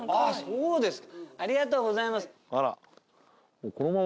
・そうですか。